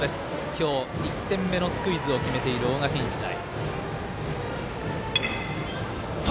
今日、１点目のスクイズを決めている大垣日大。